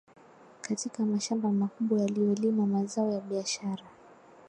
katika mashamba makubwa yaliyolima mazao ya biashara